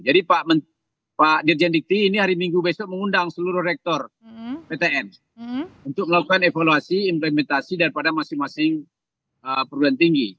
jadi pak dirjen dikti ini hari minggu besok mengundang seluruh rektor ptn untuk melakukan evaluasi implementasi daripada masing masing perguruan tinggi